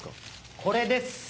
これです。